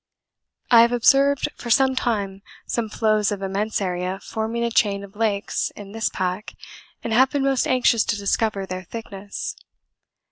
I have observed for some time some floes of immense area forming a chain of lakes in this pack, and have been most anxious to discover their thickness.